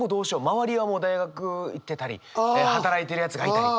周りはもう大学行ってたり働いてるやつがいたり。